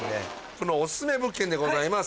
このオススメ物件でございます。